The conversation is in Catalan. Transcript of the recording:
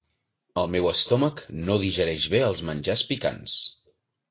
El meu estómac no digereix bé els menjars picants.